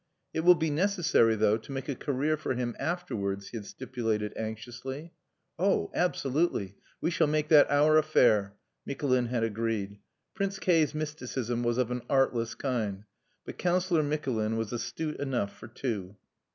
"It will be necessary, though, to make a career for him afterwards," he had stipulated anxiously. "Oh! absolutely. We shall make that our affair," Mikulin had agreed. Prince K 's mysticism was of an artless kind; but Councillor Mikulin was astute enough for two.